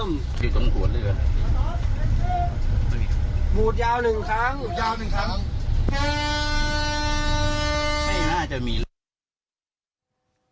บูตยาวหนึ่งครั้งหนึ่งครั้ง